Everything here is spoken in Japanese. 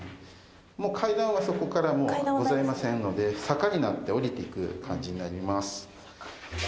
もう階段はそこからございませんので坂になって下りていく感じになります。